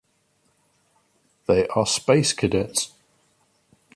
They Are Space Cadets.